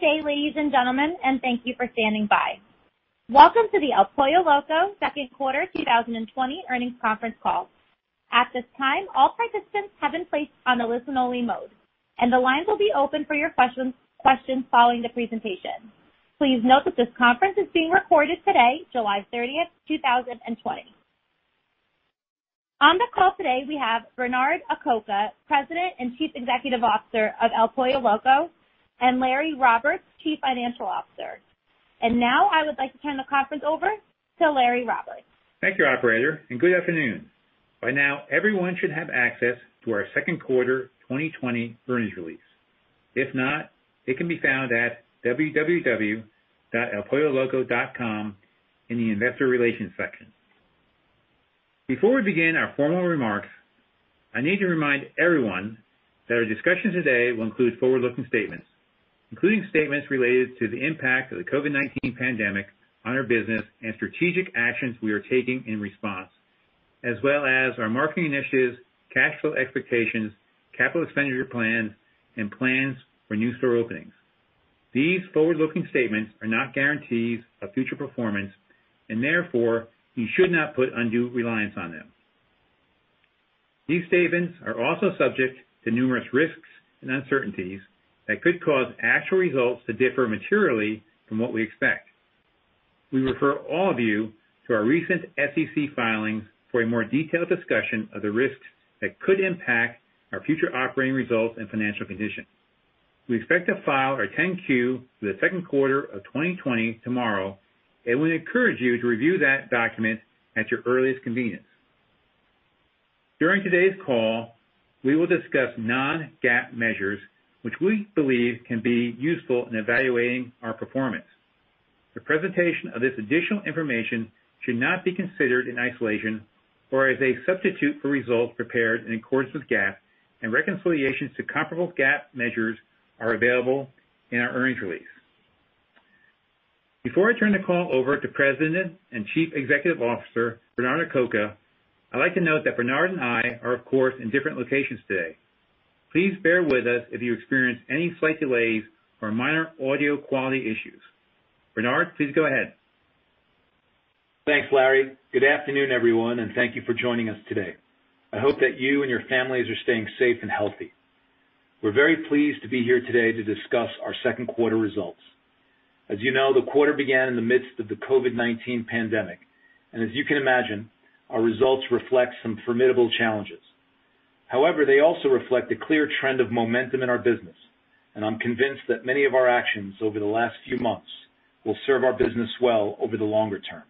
Good day, ladies and gentlemen, and thank you for standing by. Welcome to the El Pollo Loco second quarter 2020 earnings conference call. At this time, all participants have been placed on a listen-only mode, and the lines will be open for your questions following the presentation. Please note that this conference is being recorded today, July 30th, 2020. On the call today, we have Bernard Acoca, President and Chief Executive Officer of El Pollo Loco, and Larry Roberts, Chief Financial Officer. Now I would like to turn the conference over to Larry Roberts. Thank you, operator, and good afternoon. By now, everyone should have access to our second quarter 2020 earnings release. If not, it can be found at www.elpolloloco.com in the investor relations section. Before we begin our formal remarks, I need to remind everyone that our discussion today will include forward-looking statements, including statements related to the impact of the COVID-19 pandemic on our business and strategic actions we are taking in response, as well as our marketing initiatives, cash flow expectations, capital expenditure plans, and plans for new store openings. These forward-looking statements are not guarantees of future performance. Therefore, you should not put undue reliance on them. These statements are also subject to numerous risks and uncertainties that could cause actual results to differ materially from what we expect. We refer all of you to our recent SEC filings for a more detailed discussion of the risks that could impact our future operating results and financial condition. We expect to file our 10-Q, for the second quarter of 2020 tomorrow. We encourage you to review that document at your earliest convenience. During today's call, we will discuss non-GAAP measures, which we believe can be useful in evaluating our performance. The presentation of this additional information should not be considered in isolation or as a substitute for results prepared in accordance with GAAP. Reconciliations to comparable GAAP measures are available in our earnings release. Before I turn the call over to President and Chief Executive Officer, Bernard Acoca, I'd like to note that Bernard and I are, of course, in different locations today. Please bear with us if you experience any slight delays or minor audio quality issues. Bernard, please go ahead. Thanks, Larry. Good afternoon, everyone, and thank you for joining us today. I hope that you and your families are staying safe and healthy. We're very pleased to be here today to discuss our second quarter results. As you know, the quarter began in the midst of the COVID-19 pandemic, and as you can imagine, our results reflect some formidable challenges. However, they also reflect a clear trend of momentum in our business, and I'm convinced that many of our actions over the last few months will serve our business well over the longer term.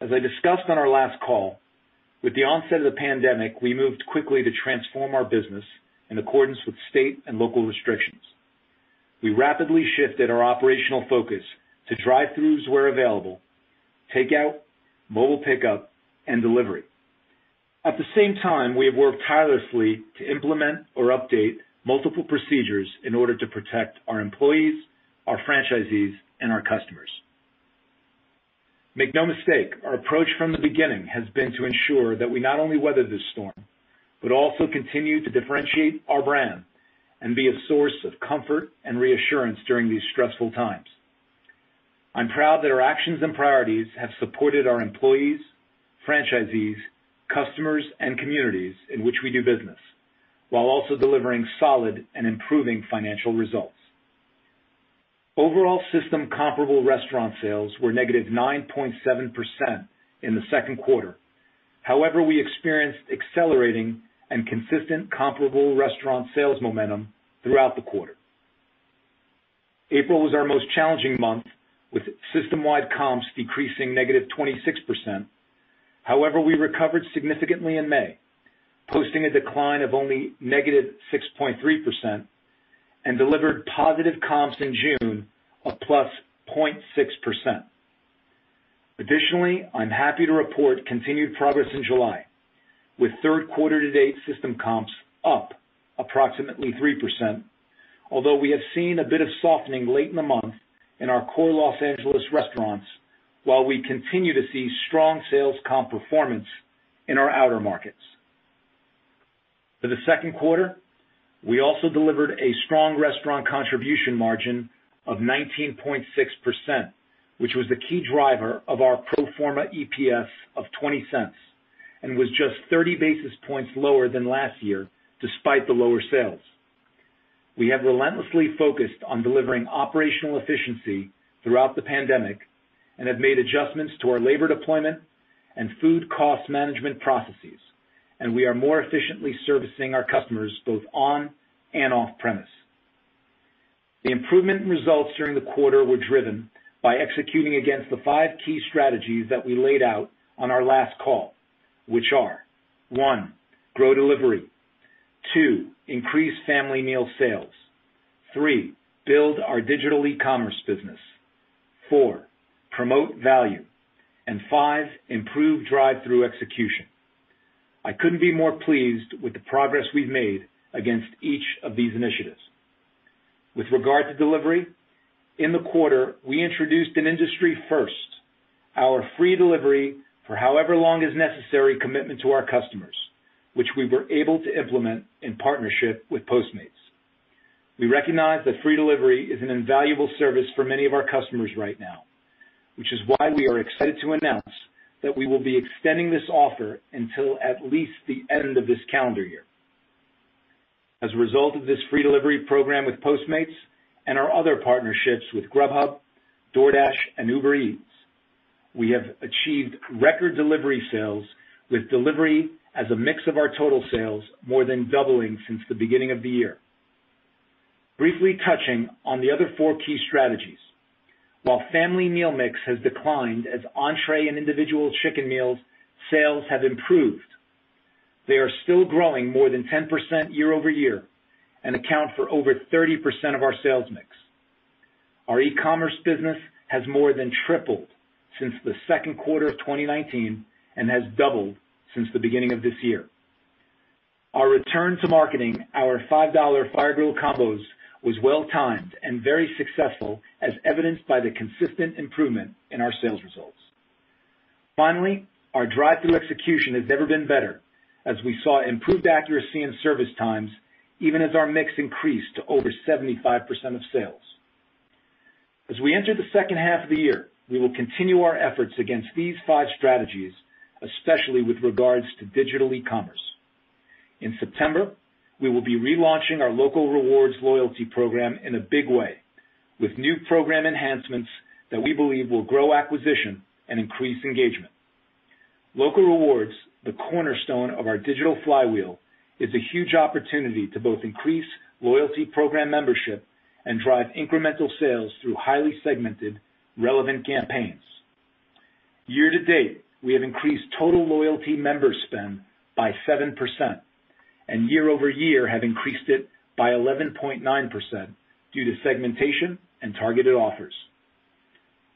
As I discussed on our last call, with the onset of the pandemic, we moved quickly to transform our business in accordance with state and local restrictions. We rapidly shifted our operational focus to drive-throughs where available, takeout, mobile pickup, and delivery. At the same time, we have worked tirelessly to implement or update multiple procedures in order to protect our employees, our franchisees, and our customers. Make no mistake, our approach from the beginning has been to ensure that we not only weather this storm, but also continue to differentiate our brand and be a source of comfort and reassurance during these stressful times. I'm proud that our actions and priorities have supported our employees, franchisees, customers, and communities in which we do business, while also delivering solid and improving financial results. Overall system comparable restaurant sales were -9.7% in the second quarter. However, we experienced accelerating and consistent comparable restaurant sales momentum throughout the quarter. April was our most challenging month, with system-wide comps decreasing -26%. However, we recovered significantly in May, posting a decline of only -6.3%, and delivered positive comps in June of +0.6%. I'm happy to report continued progress in July, with third quarter to date system comps up approximately 3%, although we have seen a bit of softening late in the month in our core Los Angeles restaurants, while we continue to see strong sales comp performance in our outer markets. For the second quarter, we also delivered a strong restaurant contribution margin of 19.6%, which was the key driver of our pro forma EPS of $0.20 and was just 30 basis points lower than last year, despite the lower sales. We have relentlessly focused on delivering operational efficiency throughout the pandemic and have made adjustments to our labor deployment and food cost management processes. We are more efficiently servicing our customers both on and off-premises. The improvement in results during the quarter were driven by executing against the five key strategies that we laid out on our last call, which are, one, grow delivery. two, increase family meal sales. three, build our digital e-commerce business. Four, promote value, and five, improve drive-thru execution. I couldn't be more pleased with the progress we've made against each of these initiatives. With regard to delivery, in the quarter, we introduced an industry first, our free delivery for however long is necessary commitment to our customers, which we were able to implement in partnership with Postmates. We recognize that free delivery is an invaluable service for many of our customers right now, which is why we are excited to announce that we will be extending this offer until at least the end of this calendar year. As a result of this free delivery program with Postmates and our other partnerships with Grubhub, DoorDash, and Uber Eats, we have achieved record delivery sales, with delivery as a mix of our total sales more than doubling since the beginning of the year. Briefly touching on the other four key strategies. While family meal mix has declined as entree and individual chicken meals sales have improved, they are still growing more than 10% year-over-year and account for over 30% of our sales mix. Our e-commerce business has more than tripled since the second quarter of 2019 and has doubled since the beginning of this year. Our return to marketing our $5 Fire-Grilled Combos was well-timed and very successful, as evidenced by the consistent improvement in our sales results. Finally, our drive-thru execution has never been better as we saw improved accuracy and service times, even as our mix increased to over 75% of sales. As we enter the second half of the year, we will continue our efforts against these five strategies, especially with regard to digital e-commerce. In September, we will be relaunching our Loco Rewards loyalty program in a big way with new program enhancements that we believe will grow acquisition and increase engagement. Loco Rewards, the cornerstone of our digital flywheel, is a huge opportunity to both increase loyalty program membership and drive incremental sales through highly segmented, relevant campaigns. Year to date, we have increased total loyalty members' spend by 7%, and year-over-year have increased it by 11.9% due to segmentation and targeted offers.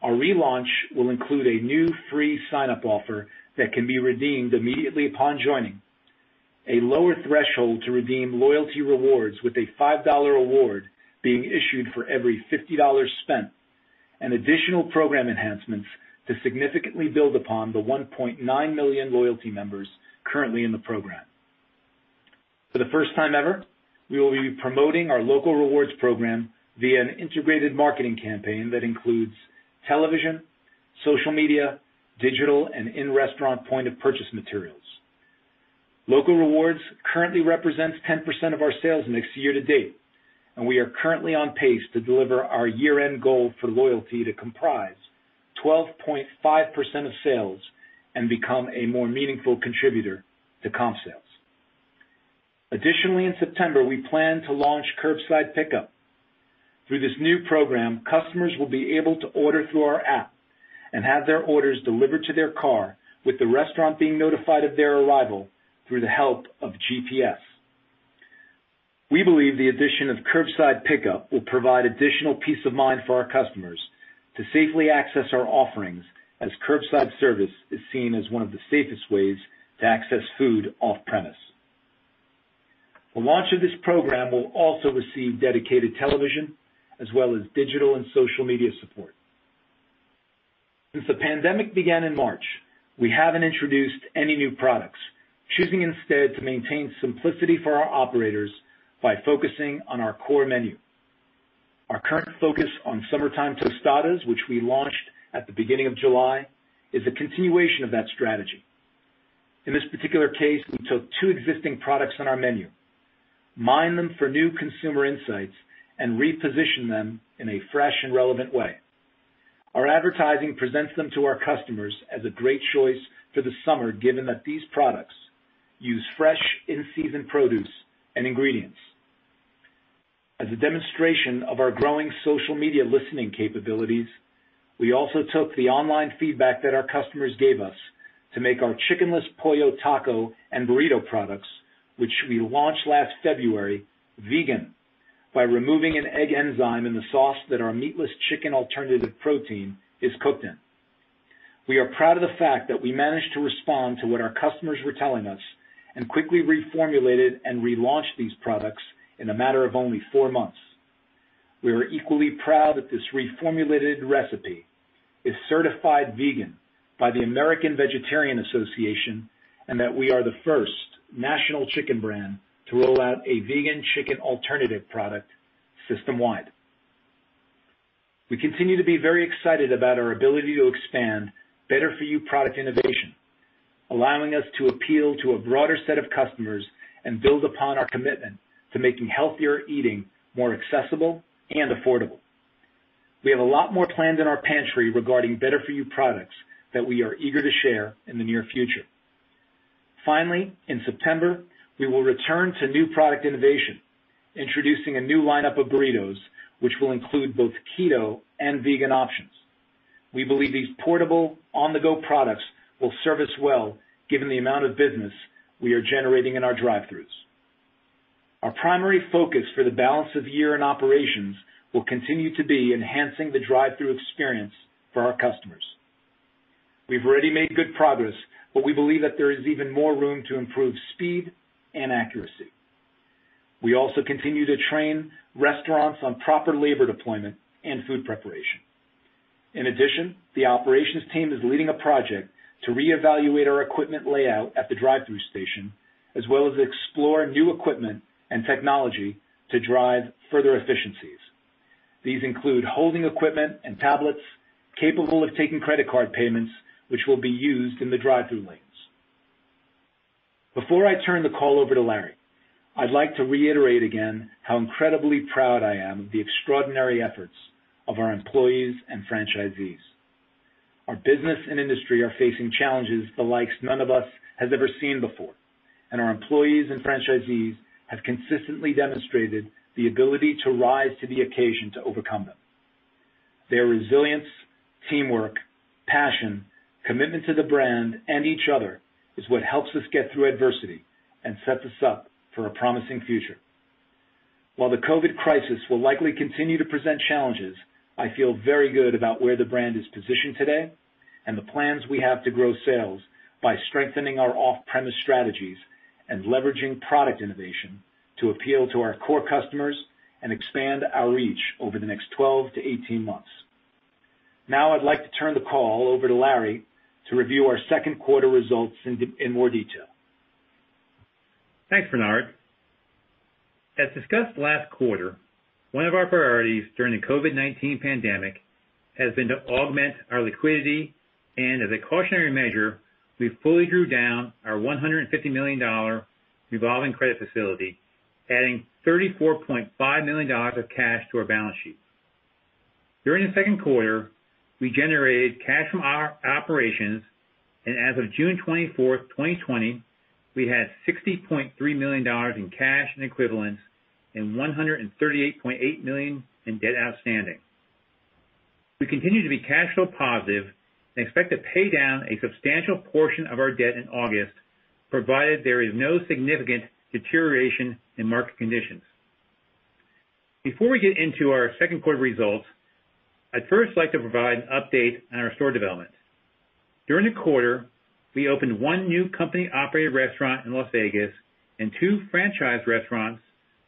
Our relaunch will include a new free sign-up offer that can be redeemed immediately upon joining, a lower threshold to redeem loyalty rewards with a $5 award being issued for every $50 spent, and additional program enhancements to significantly build upon the 1.9 million loyalty members currently in the program. For the first time ever, we will be promoting our Loco Rewards program via an integrated marketing campaign that includes television, social media, digital, and in-restaurant point of purchase materials. Loco Rewards currently represents 10% of our sales mix year to date, and we are currently on pace to deliver our year-end goal for loyalty to comprise 12.5% of sales and become a more meaningful contributor to comp sales. Additionally, in September, we plan to launch curbside pickup. Through this new program, customers will be able to order through our app and have their orders delivered to their car, with the restaurant being notified of their arrival through the help of GPS. We believe the addition of curbside pickup will provide additional peace of mind for our customers to safely access our offerings, as curbside service is seen as one of the safest ways to access food off-premise. The launch of this program will also receive dedicated television as well as digital and social media support. Since the pandemic began in March, we haven't introduced any new products, choosing instead to maintain simplicity for our operators by focusing on our core menu. Our current focus on summertime tostadas, which we launched at the beginning of July, is a continuation of that strategy. In this particular case, we took two existing products on our menu, mined them for new consumer insights, and repositioned them in a fresh and relevant way. Our advertising presents them to our customers as a great choice for the summer, given that these products use fresh, in-season produce and ingredients. As a demonstration of our growing social media listening capabilities, we also took the online feedback that our customers gave us to make our Chickenless Pollo Taco and burrito products, which we launched last February, vegan by removing an egg enzyme in the sauce that our meatless chicken alternative protein is cooked in. We are proud of the fact that we managed to respond to what our customers were telling us and quickly reformulated and relaunched these products in a matter of only four months. We are equally proud that this reformulated recipe is certified vegan by the American Vegetarian Association, and that we are the first national chicken brand to roll out a vegan chicken alternative product system-wide. We continue to be very excited about our ability to expand better-for-you product innovation, allowing us to appeal to a broader set of customers and build upon our commitment to making healthier eating more accessible and affordable. We have a lot more planned in our pantry regarding better-for-you products that we are eager to share in the near future. Finally, in September, we will return to new product innovation, introducing a new lineup of burritos, which will include both keto and vegan options. We believe these portable, on-the-go products will serve us well, given the amount of business we are generating in our drive-thrus. Our primary focus for the balance of the year in operations will continue to be enhancing the drive-thru experience for our customers. We've already made good progress, but we believe that there is even more room to improve speed and accuracy. We also continue to train restaurants on proper labor deployment and food preparation. In addition, the operations team is leading a project to reevaluate our equipment layout at the drive-thru station, as well as explore new equipment and technology to drive further efficiencies. These include holding equipment and tablets capable of taking credit card payments, which will be used in the drive-thru lanes. Before I turn the call over to Larry, I'd like to reiterate again how incredibly proud I am of the extraordinary efforts of our employees and franchisees. Our business and industry are facing challenges the likes none of us has ever seen before, and our employees and franchisees have consistently demonstrated the ability to rise to the occasion to overcome them. Their resilience, teamwork, passion, commitment to the brand and each other is what help us get through adversity and sets us up for a promising future. While the COVID-19 crisis will likely continue to present challenges, I feel very good about where the brand is positioned today, and the plans we have to grow sales by strengthening our off-premise strategies and leveraging product innovation to appeal to our core customers and expand our reach over the next 12-18 months. Now I'd like to turn the call over to Larry to review our second quarter results in more detail. Thanks, Bernard. As discussed last quarter, one of our priorities during the COVID-19 pandemic has been to augment our liquidity, and as a cautionary measure, we fully drew down our $150 million revolving credit facility, adding $34.5 million of cash to our balance sheet. During the second quarter, we generated cash from our operations, and as of June 24, 2020, we had $60.3 million in cash and equivalents and $138.8 million in debt outstanding. We continue to be cash flow positive and expect to pay down a substantial portion of our debt in August, provided there is no significant deterioration in market conditions. Before we get into our second quarter results, I'd first like to provide an update on our store development. During the quarter, we opened one new company-operated restaurant in Las Vegas and two franchise restaurants,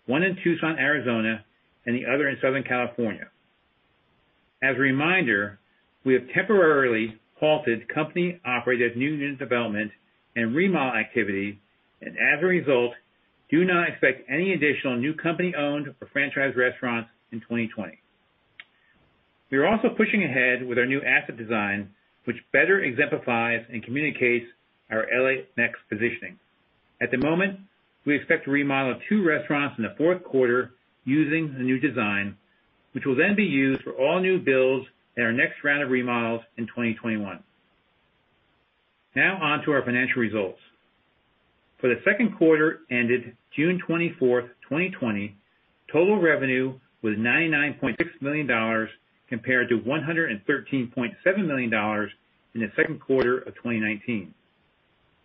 one in Tucson, Arizona, and the other in Southern California. As a reminder, we have temporarily halted company-operated new unit development and remodel activity, and as a result, do not expect any additional new company-owned or franchise restaurants in 2020. We are also pushing ahead with our new asset design, which better exemplifies and communicates our L.A. Mex positioning. At the moment, we expect to remodel two restaurants in the fourth quarter using the new design, which will then be used for all new builds and our next round of remodels in 2021. On to our financial results. For the second quarter ended June 24th, 2020, total revenue was $99.6 million compared to $113.7 million in the second quarter of 2019.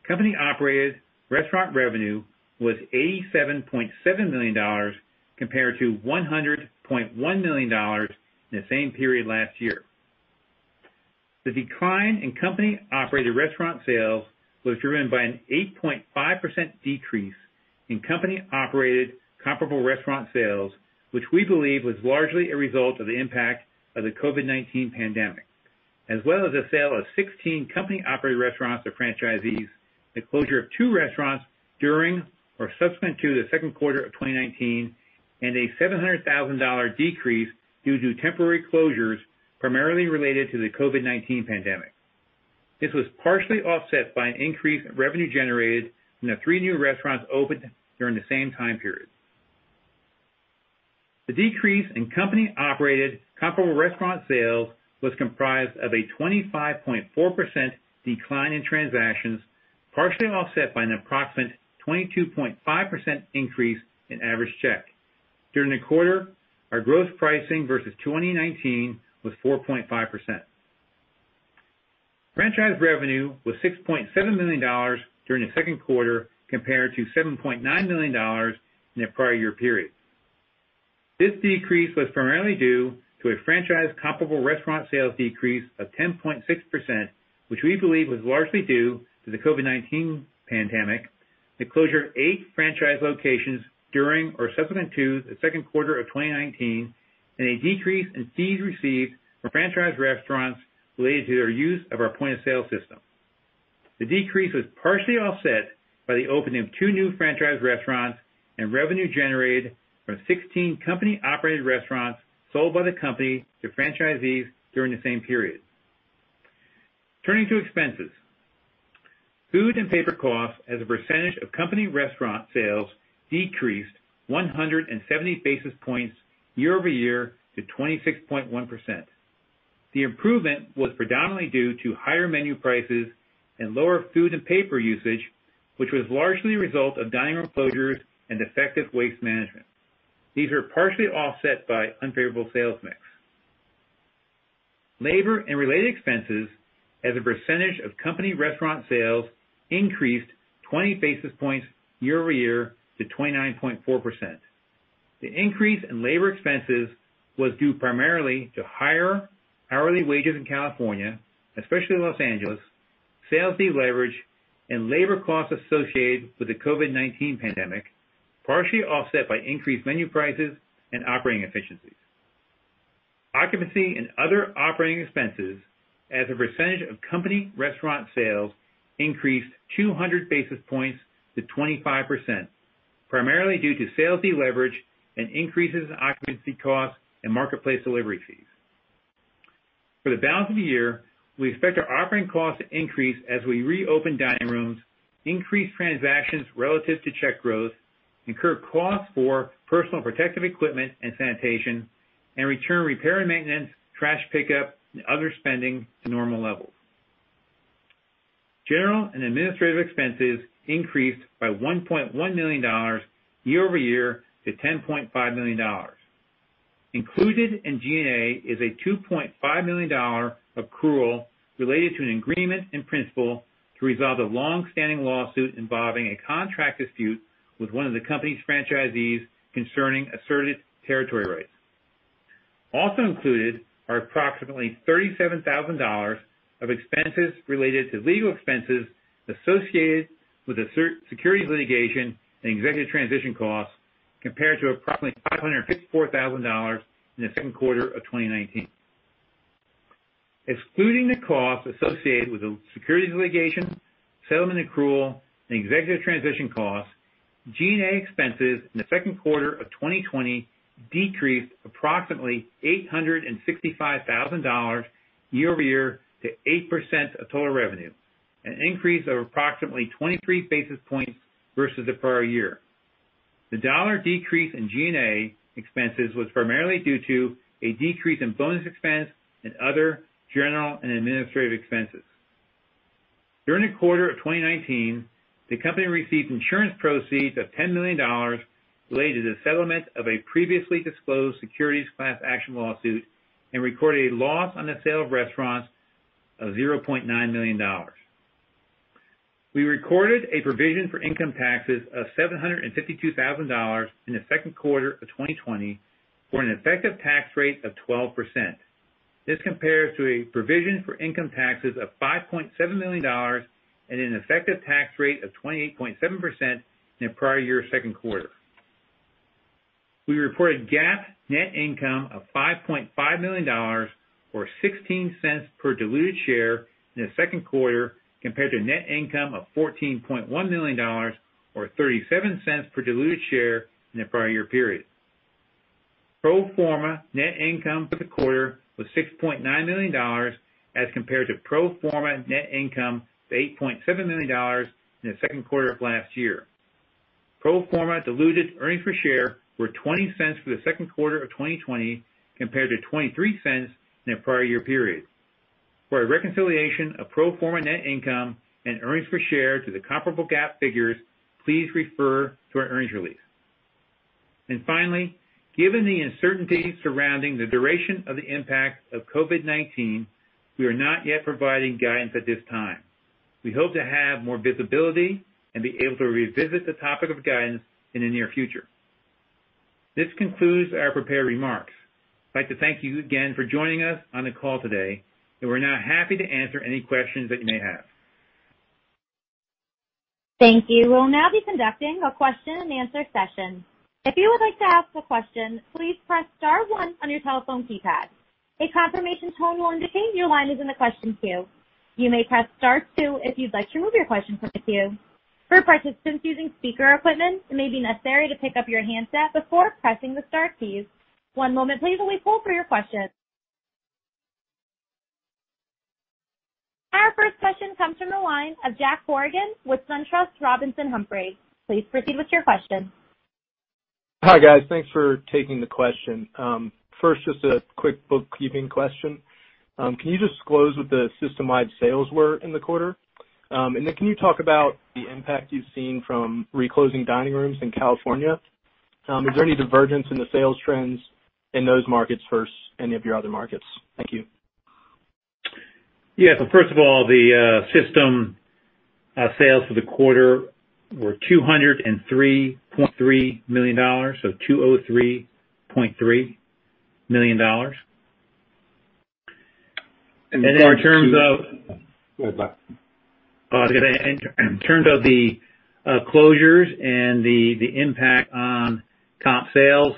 Company-operated restaurant revenue was $87.7 million compared to $100.1 million in the same period last year. The decline in company-operated restaurant sales was driven by an 8.5% decrease in company-operated comparable restaurant sales, which we believe was largely a result of the impact of the COVID-19 pandemic, as well as the sale of 16 company-operated restaurants to franchisees, the closure of two restaurants during or subsequent to the second quarter of 2019, and a $700,000 decrease due to temporary closures primarily related to the COVID-19 pandemic. This was partially offset by an increase in revenue generated from the three new restaurants opened during the same time period. The decrease in company-operated comparable restaurant sales was comprised of a 25.4% decline in transactions, partially offset by an approximate 22.5% increase in average check. During the quarter, our gross pricing versus 2019 was 4.5%. Franchise revenue was $6.7 million during the second quarter compared to $7.9 million in the prior year period. This decrease was primarily due to a franchise comparable restaurant sales decrease of 10.6%, which we believe was largely due to the COVID-19 pandemic, the closure of eight franchise locations during or subsequent to the second quarter of 2019, and a decrease in fees received from franchise restaurants related to their use of our point-of-sale system. The decrease was partially offset by the opening of two new franchise restaurants and revenue generated from 16 company-operated restaurants sold by the company to franchisees during the same period. Turning to expenses. Food and paper costs as a percentage of company restaurant sales decreased 170 basis points year-over-year to 26.1%. The improvement was predominantly due to higher menu prices and lower food and paper usage, which was largely a result of dining room closures and effective waste management. These were partially offset by unfavorable sales mix. Labor and related expenses as a percentage of company restaurant sales increased 20 basis points year-over-year to 29.4%. The increase in labor expenses was due primarily to higher hourly wages in California, especially Los Angeles, sales deleverage, and labor costs associated with the COVID-19 pandemic, partially offset by increased menu prices and operating efficiencies. Occupancy and other operating expenses as a percentage of company restaurant sales increased 200 basis points to 25%, primarily due to sales deleverage and increases in occupancy costs and marketplace delivery fees. For the balance of the year, we expect our operating costs to increase as we reopen dining rooms, increase transactions relative to check growth, incur costs for personal protective equipment and sanitation, and return repair and maintenance, trash pickup, and other spending to normal levels. General and administrative expenses increased by $1.1 million year-over-year to $10.5 million. Included in G&A is a $2.5 million accrual related to an agreement in principle to resolve a longstanding lawsuit involving a contract dispute with one of the company's franchisees concerning asserted territory rights. Also included are approximately $37,000 of expenses related to legal expenses associated with a securities litigation and executive transition costs, compared to approximately $554,000 in the second quarter of 2019. Excluding the costs associated with the securities litigation, settlement accrual, and executive transition costs, G&A expenses in the second quarter of 2020 decreased approximately $865,000 year-over-year to 8% of total revenue, an increase of approximately 23 basis points versus the prior year. The dollar decrease in G&A expenses was primarily due to a decrease in bonus expense and other general and administrative expenses. During the quarter of 2019, the company received insurance proceeds of $10 million related to the settlement of a previously disclosed securities class action lawsuit and recorded a loss on the sale of restaurants of $0.9 million. We recorded a provision for income taxes of $752,000 in the second quarter of 2020, for an effective tax rate of 12%. This compares to a provision for income taxes of $5.7 million and an effective tax rate of 28.7% in the prior year second quarter. We reported GAAP net income of $5.5 million, or $0.16 per diluted share in the second quarter compared to net income of $14.1 million or $0.37 per diluted share in the prior year period. Pro forma net income for the quarter was $6.9 million as compared to pro forma net income to $8.7 million in the second quarter of last year. Pro forma diluted earnings per share were $0.20 for the second quarter of 2020 compared to $0.23 in the prior year period. For a reconciliation of pro forma net income and earnings per share to the comparable GAAP figures, please refer to our earnings release. Finally, given the uncertainty surrounding the duration of the impact of COVID-19, we are not yet providing guidance at this time. We hope to have more visibility and be able to revisit the topic of guidance in the near future. This concludes our prepared remarks. I'd like to thank you again for joining us on the call today, and we're now happy to answer any questions that you may have. Thank you. We'll now be conducting a question-and-answer session. If you would like to ask a question, please press star one on your telephone keypad. A confirmation tone will indicate your line is in the question queue. You may press star two if you'd like to remove your question from the queue. For participants using speaker equipment, it may be necessary to pick up your handset before pressing the star keys. One moment, please, while we pull for your question. Our first question comes from the line of Jake Bartlett with SunTrust Robinson Humphrey. Please proceed with your question. Hi, guys. Thanks for taking the question. First, just a quick bookkeeping question. Can you disclose what the system-wide sales were in the quarter? Can you talk about the impact you've seen from reclosing dining rooms in California? Is there any divergence in the sales trends in those markets versus any of your other markets? Thank you. Yeah. First of all, the system sales for the quarter were $203.3 million. $203.3 million. And then in terms of- In terms of the closures and the impact on comp sales,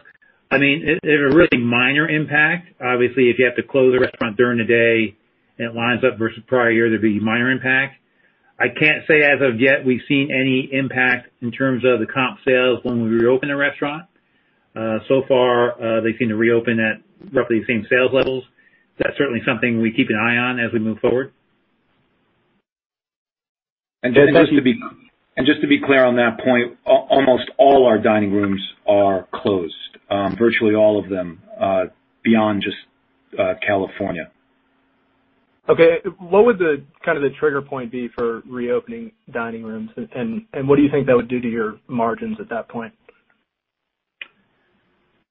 they have a really minor impact. Obviously, if you have to close a restaurant during the day and it lines up versus the prior year, there'd be a minor impact. I can't say as of yet we've seen any impact in terms of the comp sales when we reopen a restaurant. So far, they seem to reopen at roughly the same sales levels. That's certainly something we keep an eye on as we move forward. Just to be clear on that point, almost all our dining rooms are closed. Virtually all of them, beyond just California. Okay. What would the trigger point be for reopening dining rooms? What do you think that would do to your margins at that point?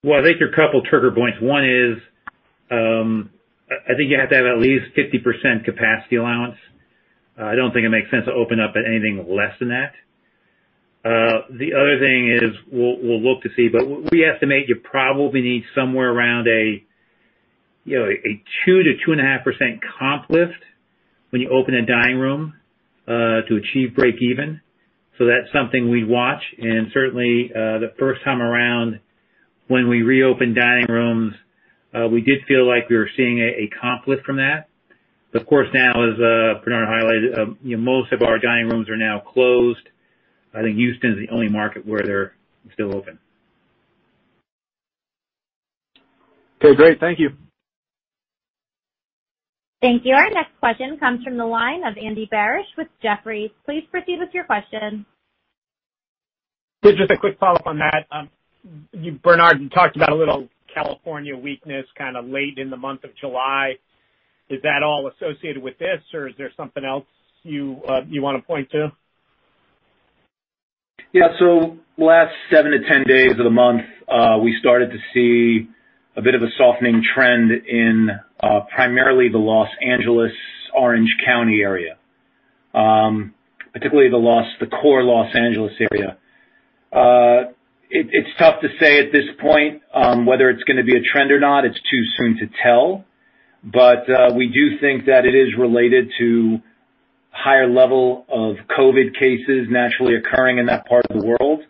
Well, I think there are a couple trigger points. One is, I think you have to have at least 50% capacity allowance. I don't think it makes sense to open up at anything less than that. The other thing is, we'll look to see, but we estimate you probably need somewhere around a 2% to 2.5% comp lift when you open a dining room to achieve breakeven. That's something we watch, and certainly, the first time around when we reopened dining rooms, we did feel like we were seeing a comp lift from that. Of course now, as Bernard highlighted, most of our dining rooms are now closed. I think Houston is the only market where they're still open. Okay, great. Thank you. Thank you. Our next question comes from the line of Andy Barish with Jefferies. Please proceed with your question. Just a quick follow-up on that. Bernard, you talked about a little California weakness kind of late in the month of July. Is that all associated with this, or is there something else you want to point to? Last seven to 10 days of the month, we started to see a bit of a softening trend in primarily the Los Angeles, Orange County area. Particularly the core Los Angeles area. It's tough to say at this point whether it's going to be a trend or not. It's too soon to tell. We do think that it is related to higher level of COVID cases naturally occurring in that part of the world.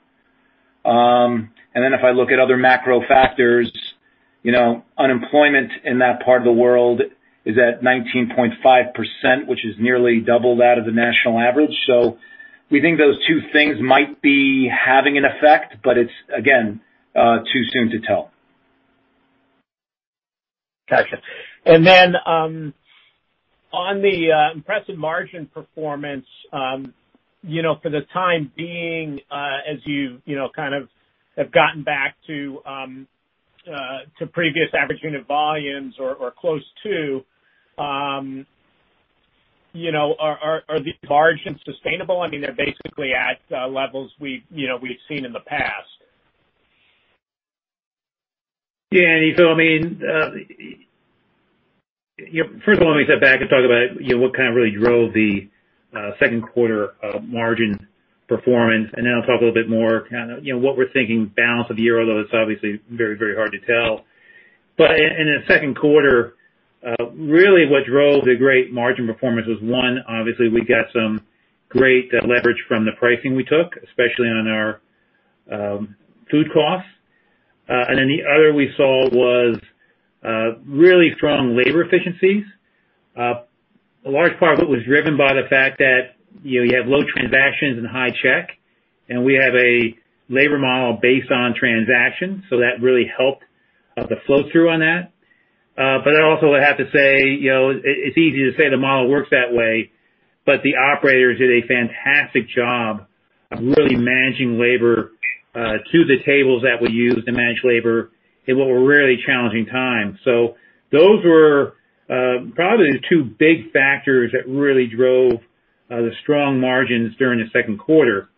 Then if I look at other macro factors, unemployment in that part of the world is at 19.5%, which is nearly double that of the national average. We think those two things might be having an effect, but it's, again, too soon to tell. Got you. On the impressive margin performance, for the time being, as you have gotten back to previous average unit volumes or close to, are these margins sustainable? They're basically at levels we've seen in the past. Andy. First of all, let me step back and talk about what really drove the second quarter margin performance, and then I'll talk a little bit more what we're thinking balance of the year, although it's obviously very hard to tell. In the second quarter, really what drove the great margin performance was, one, obviously, we got some great leverage from the pricing we took, especially on our food costs. The other we saw was really strong labor efficiencies. A large part of it was driven by the fact that you have low transactions and high check, and we have a labor model based on transaction, that really helped the flow-through on that. I also have to say, it's easy to say the model works that way, but the operators did a fantastic job of really managing labor to the tables that we use to manage labor in what were really challenging times. Those were probably the two big factors that really drove the strong margins during the Second Quarter.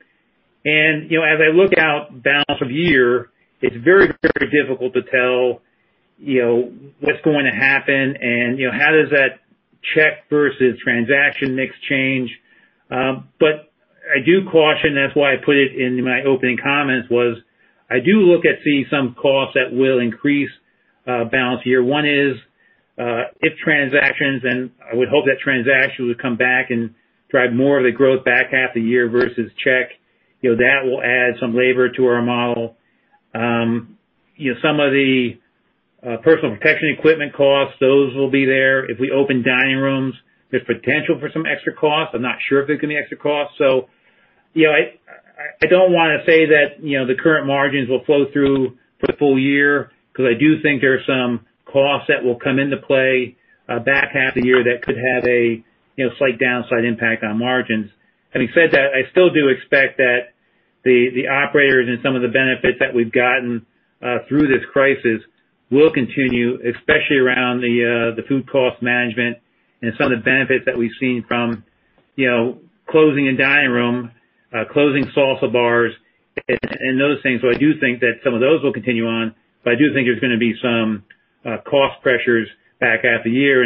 As I look out balance of the year, it's very difficult to tell what's going to happen and how does that check versus transaction mix change. I do caution that's why I put it in my opening comments was, I do look at seeing some costs that will increase balance year. One is, if transactions, and I would hope that transactions would come back and drive more of the growth back half the year, versus check. That will add some labor to our model. Some of the personal protection equipment costs, those will be there. If we open dining rooms, there's potential for some extra costs. I'm not sure if there's going to be extra costs. I don't want to say that the current margins will flow through for the full year, because I do think there are some costs that will come into play back half the year that could have a slight downside impact on margins. Having said that, I still do expect that the operators and some of the benefits that we've gotten through this crisis will continue, especially around the food cost management and some of the benefits that we've seen from closing a dining room, closing salsa bars, and those things. I do think that some of those will continue on, but I do think there's going to be some cost pressures back half the year.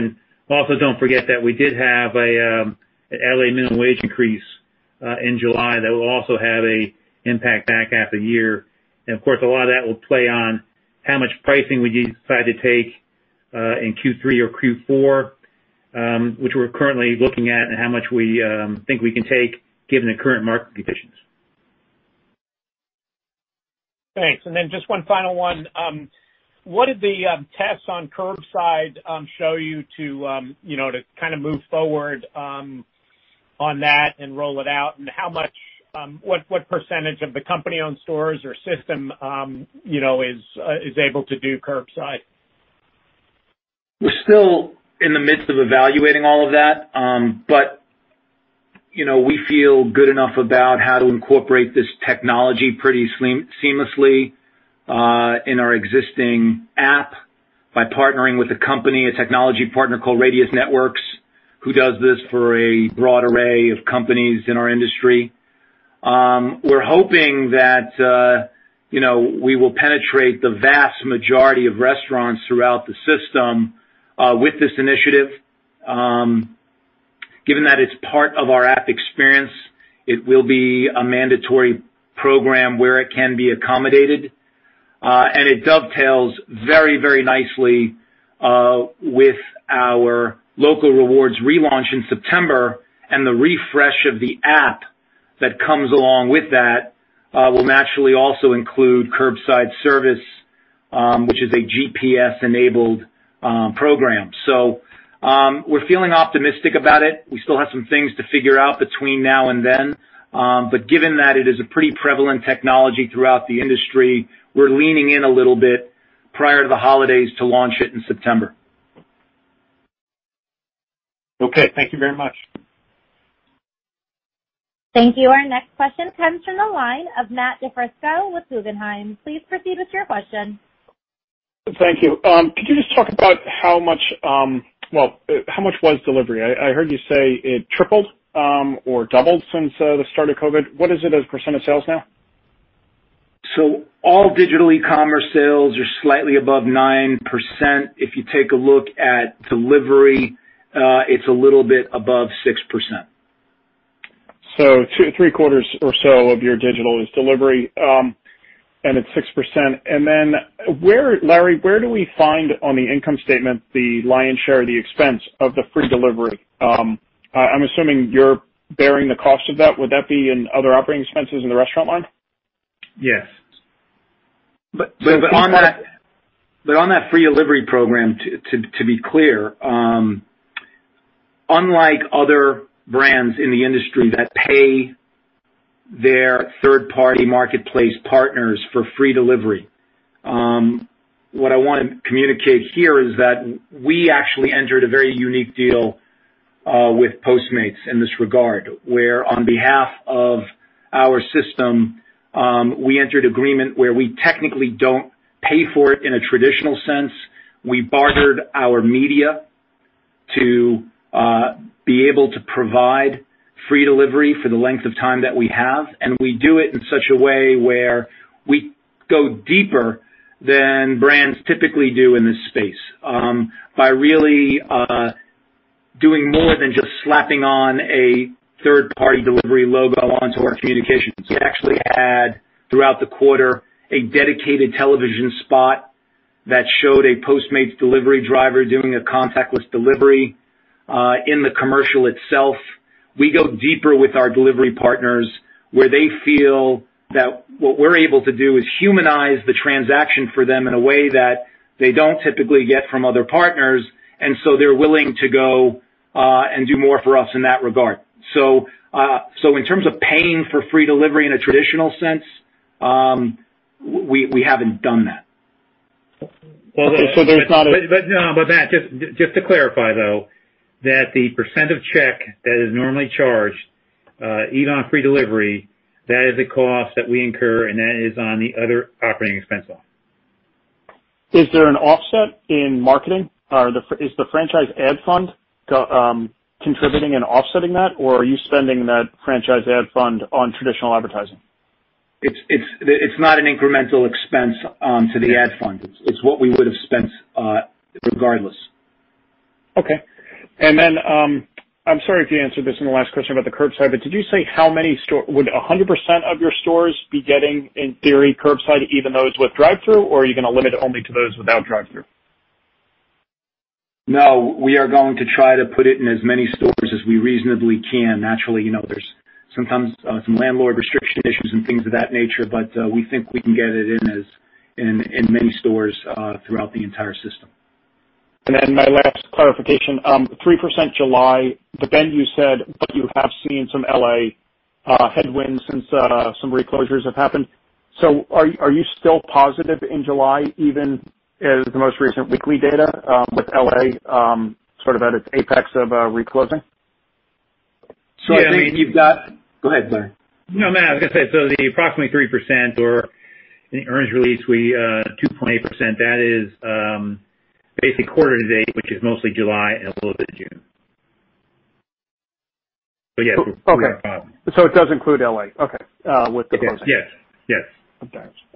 Also, don't forget that we did have L.A. minimum wage increase in July that will also have a impact back half the year. Of course, a lot of that will play on how much pricing we decide to take in Q3 or Q4, which we're currently looking at and how much we think we can take given the current market conditions. Thanks. Just one final one. What did the tests on curbside show you to move forward on that and roll it out, and what percentage of the company-owned stores or system is able to do curbside? We're still in the midst of evaluating all of that. We feel good enough about how to incorporate this technology pretty seamlessly in our existing app by partnering with a company, a technology partner called Radius Networks, who does this for a broad array of companies in our industry. We're hoping that we will penetrate the vast majority of restaurants throughout the system with this initiative. Given that it's part of our app experience, it will be a mandatory program where it can be accommodated. It dovetails very nicely with our Loco Rewards relaunch in September, and the refresh of the app that comes along with that will naturally also include curbside service, which is a GPS-enabled program. We're feeling optimistic about it. We still have some things to figure out between now and then. Given that it is a pretty prevalent technology throughout the industry, we're leaning in a little bit prior to the holidays to launch it in September. Okay. Thank you very much. Thank you. Our next question comes from the line of Matthew DiFrisco with Guggenheim. Please proceed with your question. Thank you. Could you just talk about how much was delivery? I heard you say it tripled or doubled since the start of COVID. What is it as a % of sales now? All digital e-commerce sales are slightly above 9%. If you take a look at delivery, it's a little bit above 6%. Three quarters or so of your digital is delivery, and it's 6%. Larry, where do we find on the income statement the lion's share of the expense of the free delivery? I'm assuming you're bearing the cost of that. Would that be in other operating expenses in the restaurant line? Yes. On that free delivery program, to be clear, unlike other brands in the industry that pay their third-party marketplace partners for free delivery, what I want to communicate here is that we actually entered a very unique deal with Postmates in this regard, where on behalf of our system, we entered agreement where we technically don't pay for it in a traditional sense. We bartered our media to be able to provide free delivery for the length of time that we have, and we do it in such a way where we go deeper than brands typically do in this space, by really doing more than just slapping on a third-party delivery logo onto our communications. We actually had, throughout the quarter, a dedicated television spot that showed a Postmates delivery driver doing a contactless delivery in the commercial itself. We go deeper with our delivery partners, where they feel that what we're able to do is humanize the transaction for them in a way that they don't typically get from other partners. They're willing to go and do more for us in that regard. In terms of paying for free delivery in a traditional sense, we haven't done that. So there's not a- Matt, just to clarify though, that the percent of check that is normally charged even on free delivery, that is a cost that we incur, and that is on the other operating expense line. Is there an offset in marketing? Is the franchise ad fund contributing and offsetting that, or are you spending that franchise ad fund on traditional advertising? It's not an incremental expense to the ad fund. It's what we would've spent regardless. Okay. Then, I'm sorry if you answered this in the last question about the curbside, but did you say would 100% of your stores be getting, in theory, curbside, even those with drive-through, or are you going to limit it only to those without drive-through? No, we are going to try to put it in as many stores as we reasonably can. Naturally, there's sometimes some landlord restriction issues and things of that nature, but we think we can get it in as many stores throughout the entire system. My last clarification. 3% July, but then you said that you have seen some L.A. headwinds since some re-closures have happened. Are you still positive in July, even as the most recent weekly data with L.A. sort of at its apex of re-closing? I think. Go ahead, Larry. No, Matt, I was going to say, the approximately 3%, or in the earnings release, we 2.8%, that is basic quarter to date, which is mostly July and a little bit of June. Yes, we're pretty confident. Okay. It does include L.A., okay, with the closing. Yes.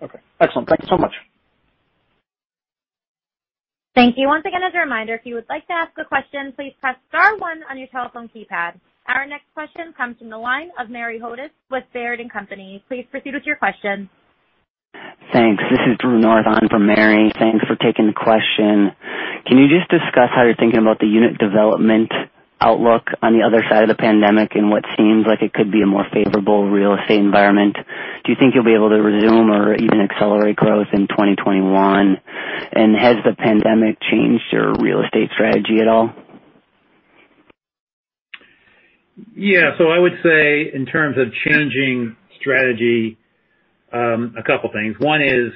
Okay. Excellent. Thank you so much. Thank you. Once again, as a reminder, if you would like to ask a question, please press star one on your telephone keypad. Our next question comes from the line of Mary Hodes with Baird & Company. Please proceed with your question. Thanks. This is Drew North for Mary. Thanks for taking the question. Can you just discuss how you're thinking about the unit development outlook on the other side of the pandemic in what seems like it could be a more favorable real estate environment? Do you think you'll be able to resume or even accelerate growth in 2021? Has the pandemic changed your real estate strategy at all? Yeah. I would say in terms of changing strategy, a couple things. One is,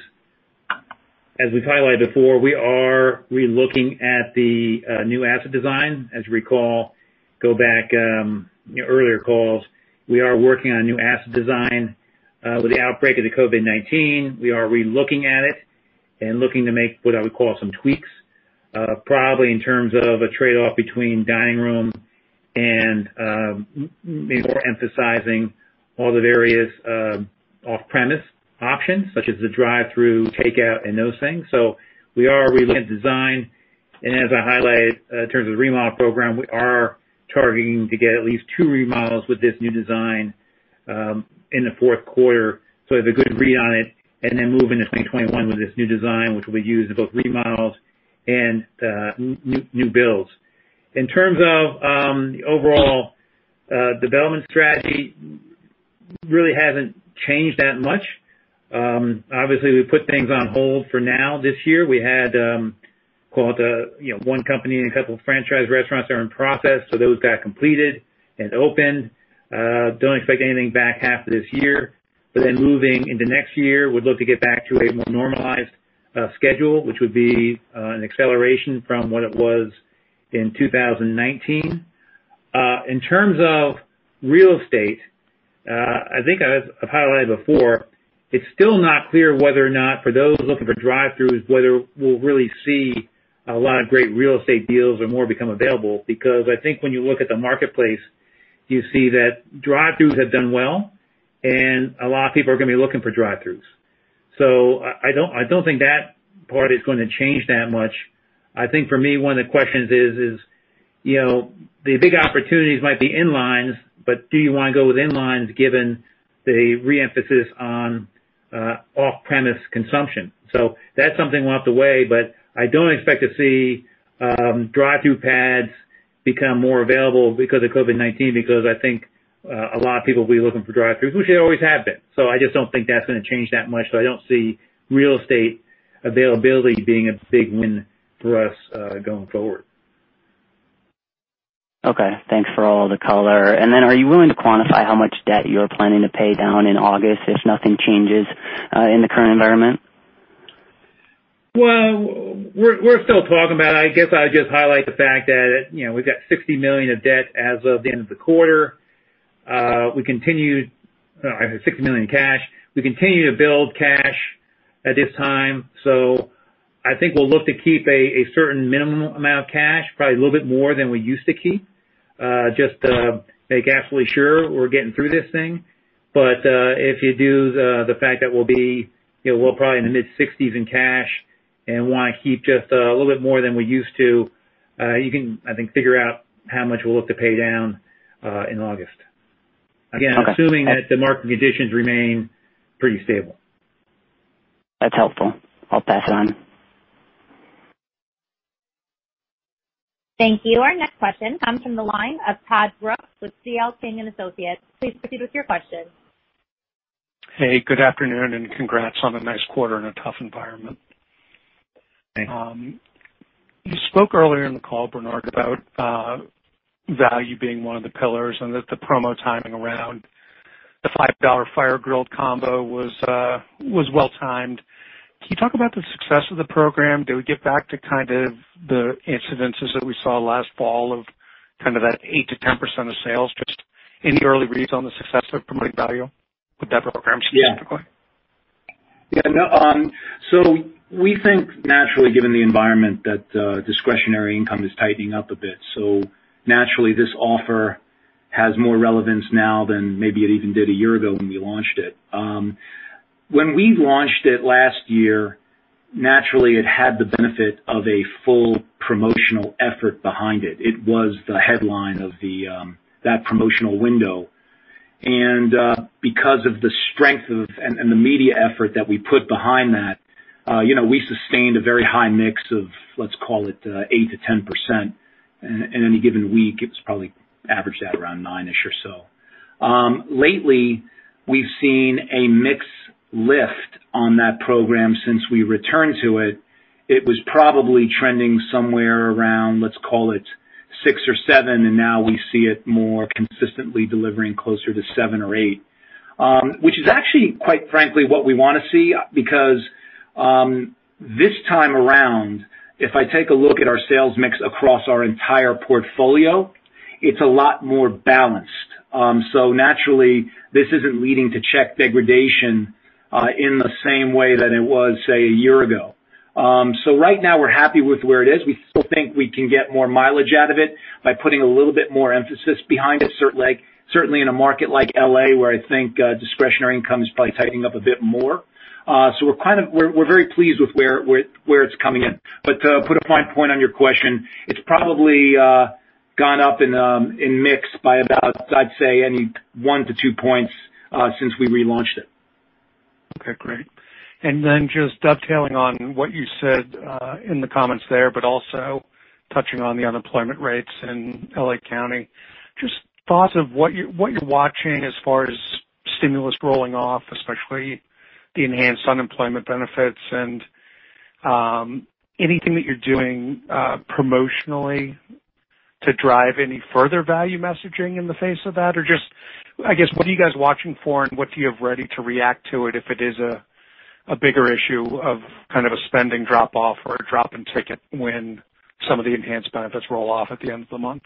as we've highlighted before, we are re-looking at the new asset design. As you recall, go back earlier calls, we are working on new asset design. With the outbreak of the COVID-19, we are re-looking at it and looking to make what I would call some tweaks. Probably in terms of a trade-off between dining room and maybe more emphasizing all the various off-premise options, such as the drive-through, takeout, and those things. We are re-looking at design, and as I highlighted, in terms of the remodel program, we are targeting to get at least two remodels with this new design in the fourth quarter. We have a good read on it, and then move into 2021 with this new design, which will be used in both remodels and new builds. In terms of the overall development strategy, really hasn't changed that much. Obviously, we put things on hold for now. This year, we had one company and a couple of franchise restaurants that are in process. Those got completed and opened. Don't expect anything back half this year. Moving into next year, we'd look to get back to a more normalized schedule, which would be an acceleration from what it was in 2019. In terms of real estate, I think as I've highlighted before, it's still not clear whether or not, for those looking for drive-throughs, whether we'll really see a lot of great real estate deals or more become available. I think when you look at the marketplace, you see that drive-throughs have done well, and a lot of people are going to be looking for drive-throughs. I don't think that part is going to change that much. I think for me, one of the questions is, the big opportunities might be in-lines, but do you want to go with in-lines, given the re-emphasis on off-premise consumption? That's something we'll have to weigh, but I don't expect to see drive-through pads become more available because of COVID-19, because I think a lot of people will be looking for drive-throughs, which they always have been. I just don't think that's going to change that much. I don't see real estate availability being a big win for us going forward. Okay. Thanks for all the color. Are you willing to quantify how much debt you're planning to pay down in August if nothing changes in the current environment? Well, we're still talking about it. I guess I'd just highlight the fact that we've got $60 million of debt as of the end of the quarter. I have $60 million in cash. We continue to build cash at this time, so I think we'll look to keep a certain minimum amount of cash, probably a little bit more than we used to keep, just to make absolutely sure we're getting through this thing. If you do the fact that we'll probably be in the mid-60s in cash and want to keep just a little bit more than we used to, you can, I think, figure out how much we'll look to pay down in August. Okay. Again, assuming that the market conditions remain pretty stable. That's helpful. I'll pass it on. Thank you. Our next question comes from the line of Todd Brooks with C.L. King & Associates. Please proceed with your question. Hey, good afternoon, and congrats on a nice quarter in a tough environment. Thanks. You spoke earlier in the call, Bernard, about value being one of the pillars and that the promo timing around the $5 Fire-Grilled Combo was well-timed. Can you talk about the success of the program? Do we get back to the incidences that we saw last fall of that 8%-10% of sales? Just any early reads on the success of promoting value with that program specifically? Yeah. We think, naturally, given the environment, that discretionary income is tightening up a bit. Naturally, this offer has more relevance now than maybe it even did a year ago when we launched it. When we launched it last year, naturally, it had the benefit of a full promotional effort behind it. It was the headline of that promotional window. Because of the strength and the media effort that we put behind that, we sustained a very high mix of, let's call it 8%-10%. In any given week, it was probably averaged at around nine-ish or so. Lately, we've seen a mix lift on that program since we returned to it. It was probably trending somewhere around, let's call it, six or seven, and now we see it more consistently delivering closer to seven or eight, which is actually, quite frankly, what we want to see because this time around, if I take a look at our sales mix across our entire portfolio, it's a lot more balanced. Naturally, this isn't leading to check degradation in the same way that it was, say, a year ago. Right now, we're happy with where it is. We still think we can get more mileage out of it by putting a little bit more emphasis behind it, certainly in a market like L.A., where I think discretionary income is probably tightening up a bit more. We're very pleased with where it's coming in. To put a fine point on your question, it's probably gone up in mix by about, I'd say, one to two points since we relaunched it. Okay, great. Just dovetailing on what you said in the comments there, but also touching on the unemployment rates in L.A. County, just thoughts of what you're watching as far as stimulus rolling off, especially the enhanced unemployment benefits, and anything that you're doing promotionally to drive any further value messaging in the face of that? Just, I guess, what are you guys watching for, and what do you have ready to react to it if it is a bigger issue of a spending drop-off or a drop in ticket when some of the enhanced benefits roll off at the end of the month?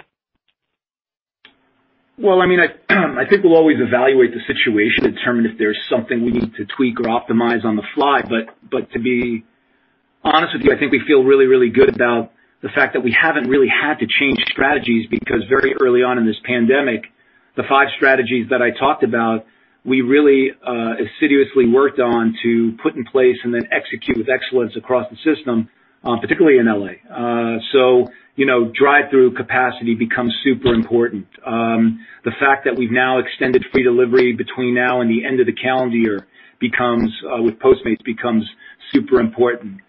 I think we'll always evaluate the situation to determine if there's something we need to tweak or optimize on the fly. To be honest with you, I think we feel really, really good about the fact that we haven't really had to change strategies, because very early on in this pandemic, the five strategies that I talked about, we really assiduously worked on to put in place and then execute with excellence across the system, particularly in L.A. Drive-through capacity becomes super important. The fact that we've now extended free delivery between now and the end of the calendar year with Postmates becomes super important.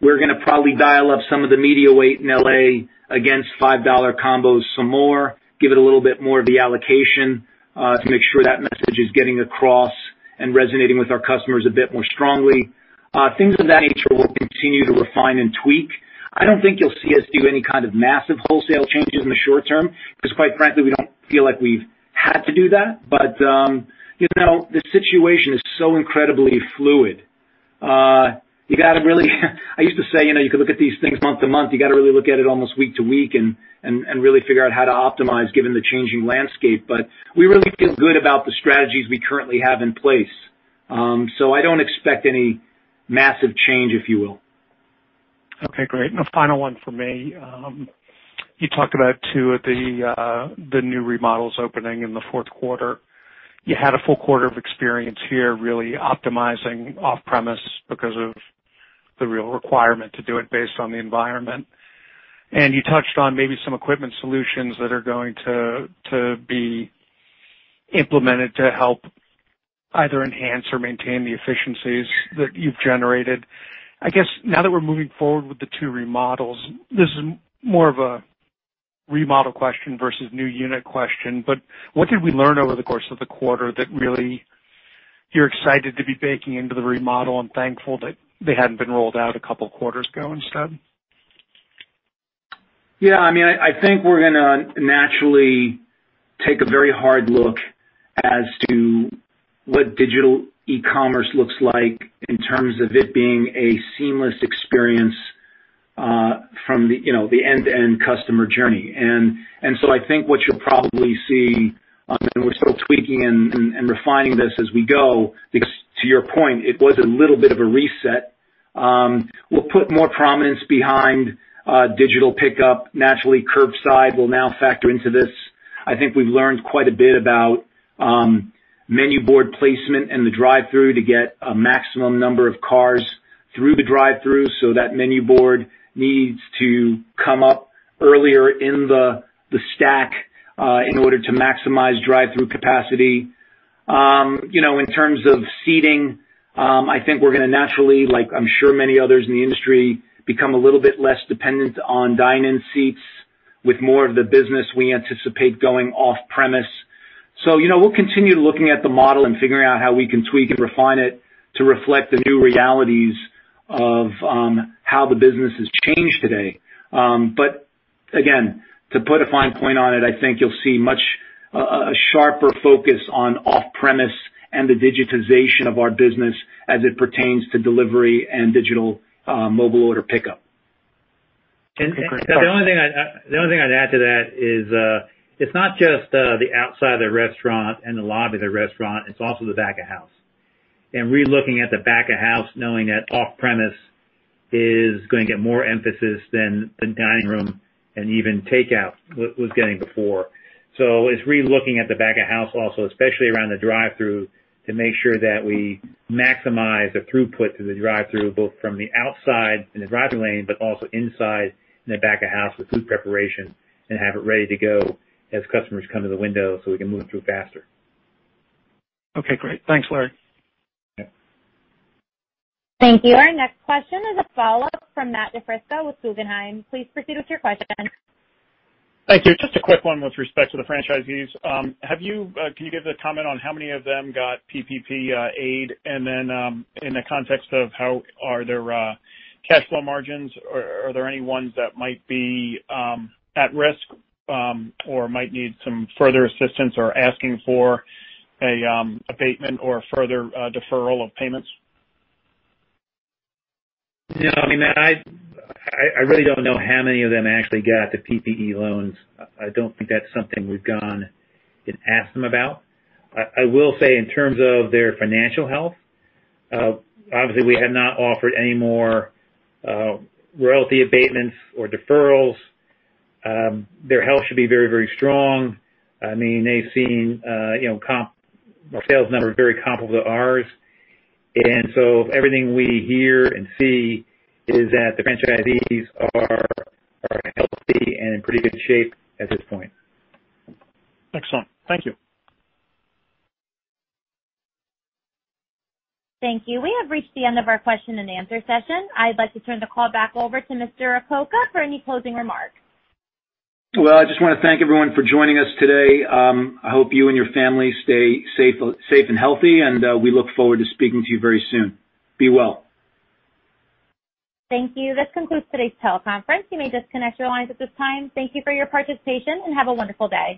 We're going to probably dial up some of the media weight in L.A. against $5 Combos some more, give it a little bit more of the allocation, to make sure that message is getting across and resonating with our customers a bit more strongly. Things of that nature, we'll continue to refine and tweak. I don't think you'll see us do any kind of massive wholesale changes in the short term, because quite frankly, we don't feel like we've had to do that. The situation is so incredibly fluid. I used to say, you could look at these things month to month. You got to really look at it almost week to week and really figure out how to optimize given the changing landscape. We really feel good about the strategies we currently have in place. I don't expect any massive change, if you will. Okay, great. A final one from me. You talked about two of the new remodels opening in the fourth quarter. You had a full quarter of experience here, really optimizing off-premise because of the real requirement to do it based on the environment. You touched on maybe some equipment solutions that are going to be implemented to help either enhance or maintain the efficiencies that you've generated. I guess now that we're moving forward with the two remodels, this is more of a remodel question versus new unit question, but what did we learn over the course of the quarter that really you're excited to be baking into the remodel and thankful that they hadn't been rolled out a couple of quarters ago instead? Yeah. I think we're going to naturally take a very hard look as to what digital e-commerce looks like in terms of it being a seamless experience from the end-to-end customer journey. I think what you'll probably see, and we're still tweaking and refining this as we go, because to your point, it was a little bit of a reset. We'll put more prominence behind digital pickup. Naturally, curbside will now factor into this. I think we've learned quite a bit about menu board placement and the drive-through to get a maximum number of cars through the drive-through. That menu board needs to come up earlier in the stack in order to maximize drive-through capacity. In terms of seating, I think we're going to naturally, like I'm sure many others in the industry, become a little bit less dependent on dine-in seats with more of the business we anticipate going off-premise. We'll continue looking at the model and figuring out how we can tweak and refine it to reflect the new realities of how the business has changed today. To put a fine point on it, I think you'll see a much sharper focus on off-premise and the digitization of our business as it pertains to delivery and digital mobile order pickup. Okay, great. The only thing I'd add to that is, it's not just the outside of the restaurant and the lobby of the restaurant, it's also the back of house. Relooking at the back of house, knowing that off-premise is going to get more emphasis than the dining room and even takeout was getting before. It's relooking at the back of house also, especially around the drive-through, to make sure that we maximize the throughput through the drive-through, both from the outside in the drive-through lane, but also inside in the back of house with food preparation, and have it ready to go as customers come to the window so we can move through faster. Okay, great. Thanks, Larry. Yeah. Thank you. Our next question is a follow-up from Matthew DiFrisco with Guggenheim. Please proceed with your question. Thank you. Just a quick one with respect to the franchisees. Can you give us a comment on how many of them got PPP aid? In the context of how are their cash flow margins, are there any ones that might be at risk, or might need some further assistance or asking for a abatement or a further deferral of payments? Matt, I really don't know how many of them actually got the PPP loans. I don't think that's something we've gone and asked them about. I will say in terms of their financial health, obviously, we have not offered any more royalty abatements or deferrals. Their health should be very, very strong. They've seen our sales numbers very comparable to ours. Everything we hear and see is that the franchisees are healthy and in pretty good shape at this point. Excellent. Thank you. Thank you. We have reached the end of our question and answer session. I'd like to turn the call back over to Mr. Acoca for any closing remarks. Well, I just want to thank everyone for joining us today. I hope you and your family stay safe and healthy, and we look forward to speaking to you very soon. Be well. Thank you. This concludes today's teleconference. You may disconnect your lines at this time. Thank you for your participation, and have a wonderful day.